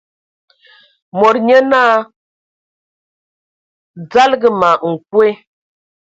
Mod nyé naa: "Dzalǝga ma nkwe !".